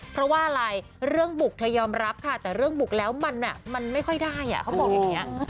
เพราะว่าอะไรเรื่องบุกเธอยอมรับค่ะแต่เรื่องบุกแล้วมันไม่ค่อยได้เขาบอกอย่างนี้